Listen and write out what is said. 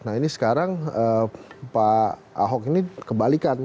nah ini sekarang pak ahok ini kebalikan